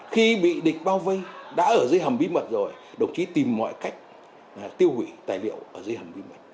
khi bị địch bao vây đã ở dưới hầm bí mật rồi đồng chí tìm mọi cách tiêu hủy tài liệu ở dưới hầm bí mật